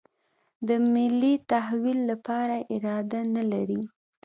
د ملي تحول لپاره اراده نه لري.